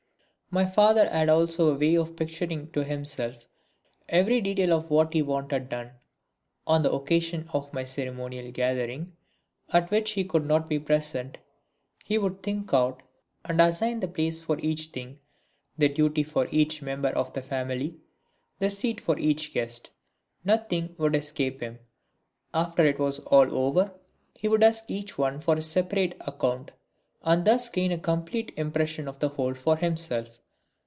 My father had also a way of picturing to himself every detail of what he wanted done. On the occasion of any ceremonial gathering, at which he could not be present, he would think out and assign the place for each thing, the duty for each member of the family, the seat for each guest; nothing would escape him. After it was all over he would ask each one for a separate account and thus gain a complete impression of the whole for himself.